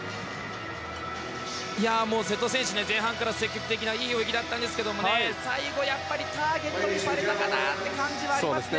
瀬戸選手前半から積極的ないい泳ぎだったんですけども最後、ターゲットにされたかなという感じがありますね。